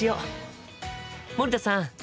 森田さん